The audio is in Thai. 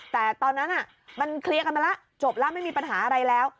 แต่ตอนนั้นมันเคลียร์กันมาแล้วจบแล้วไม่มีปัญหาอะไรแล้ว